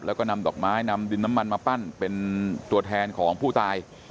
แล้วก็นำดอกไม้นำดินน้ำมันมาปั้นเป็นตัวแทนของผู้ตาย